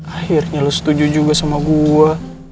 akhirnya lu setuju juga sama gue